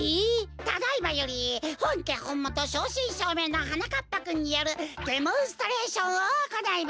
ただいまよりほんけほんもとしょうしんしょうめいのはなかっぱくんによるデモンストレーションをおこないます！